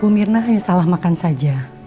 pemirna hanya salah makan saja